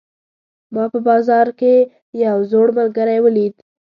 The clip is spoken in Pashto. ما په بازار کې یو زوړ ملګری ولید